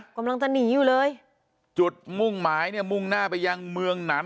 กำลังจะหนีอยู่เลยจุดมุ่งหมายเนี่ยมุ่งหน้าไปยังเมืองหนาน